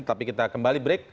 tetapi kita kembali break